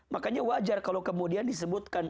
makanya wajar kalau kemudian disebutkan